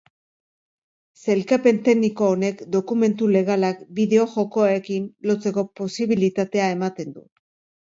Sailkapen tekniko honek dokumentu legalak bideo-jokoekin lotzeko posibilitatea ematen du.